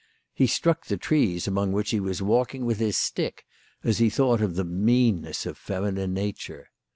He struck the trees among which he was walking with his stick as he thought of the meanness of feminine nature.